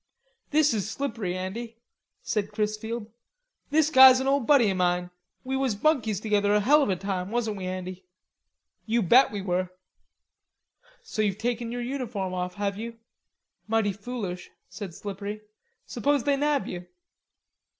"This is Slippery, Andy," said Chrisfield. "This guy's an ole buddy o' mine. We was bunkies together a hell of a time, wasn't we, Andy?" "You bet we were." "So you've taken your uniform off, have you? Mighty foolish," said Slippery. "Suppose they nab you?"